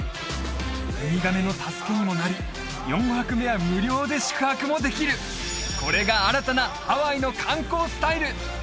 ウミガメの助けにもなり４泊目は無料で宿泊もできるこれが新たなハワイの観光スタイル！